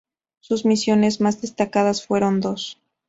Sus misiones más destacadas fueron dos.